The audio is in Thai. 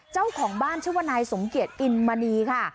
เจ้าของบ้านชื่อว่านายสมเกียจอินมณีค่ะ